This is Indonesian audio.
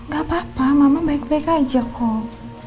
gak apa apa mama baik baik aja kok